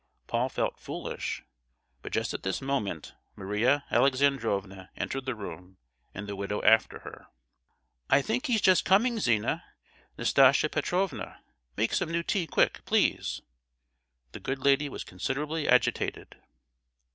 Paul felt foolish; but just at this moment Maria Alexandrovna entered the room, and the widow after her. "I think he's just coming, Zina! Nastasia Petrovna, make some new tea quick, please!" The good lady was considerably agitated.